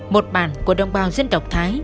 một bàn của đồng bào dân độc thái